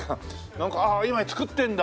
なんかああ今作ってるんだ！